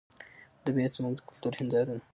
ادبیات زموږ د کلتور هنداره ده.